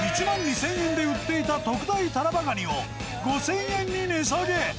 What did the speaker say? １万２０００円で売っていた特大タラバガニを、５０００円に値下げ。